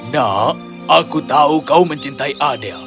nah aku tahu kau mencintai adele